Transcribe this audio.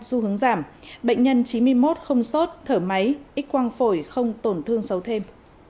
xu hướng giảm bệnh nhân chín mươi một không sốt thở máy ít quang phổi không tổn thương xấu thêm